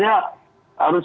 mengerti mengenai teknologi ini